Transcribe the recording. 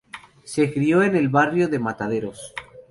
Se crio en el barrio de Mataderos.